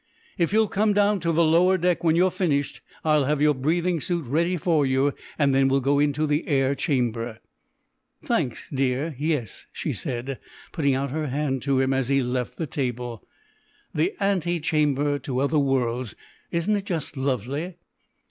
"If you'll come down to the lower deck when you've finished, I'll have your breathing suit ready for you, and then we'll go into the air chamber." "Thanks, dear, yes," she said, putting out her hand to him as he left the table, "the ante chamber to other worlds. Isn't it just lovely?